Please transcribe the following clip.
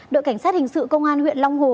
đội cảnh sát hình sự công an huyện long hồ